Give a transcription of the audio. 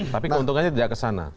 tapi keuntungannya tidak ke sana